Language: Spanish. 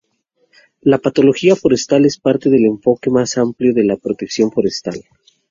La patología forestal es parte del enfoque más amplio de la protección forestal.